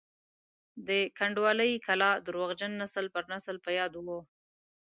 د کنډوالې کلا درواغجن نسل پر نسل په یادو وو.